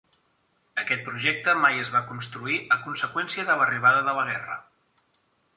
Aquest projecte mai es va construir a conseqüència de l'arribada de la guerra.